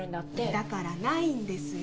だからないんですよ。